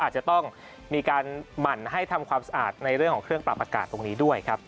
อาจจะต้องมีการหมั่นให้ทำความสะอาดในเรื่องของเครื่องปรับอากาศตรงนี้ด้วยครับ